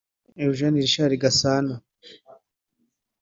Eugène-Richard Gasana